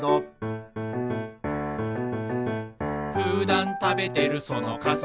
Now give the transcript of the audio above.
「ふだんたべてるそのカステラ」